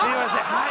はい